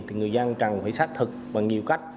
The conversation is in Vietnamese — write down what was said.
thì người dân cần phải xác thực bằng nhiều cách